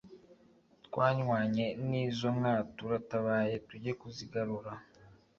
“twanywanye n’izo nka turatabaye tuge kuzigarura.